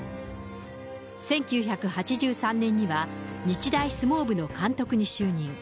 １９８３年には日大相撲部の監督に就任。